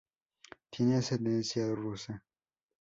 Tiene ascendencia rusa.